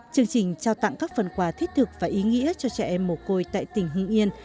chương trình trao tặng các phần quà thiết thực và ý nghĩa cho trẻ em mồ côi tại tỉnh hưng yên